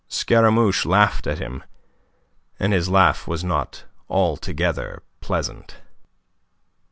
Scaramouche laughed at him, and his laugh was not altogether pleasant.